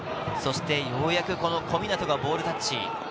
ようやく小湊がボールタッチ。